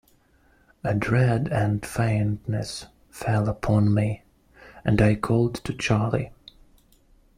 A dread and faintness fell upon me, and I called to Charley.